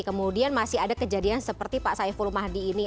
kemudian masih ada kejadian seperti pak saiful mahdi ini